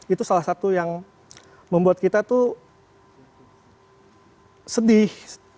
itu salah satu yang membuat kita tuh sedih